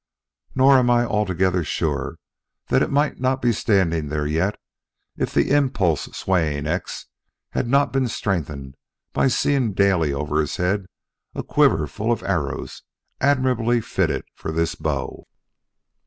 Nor am I altogether sure that it might not be standing there yet if the impulse swaying X had not been strengthened by seeing daily over his head a quiver full of arrows admirably fitted for this bow.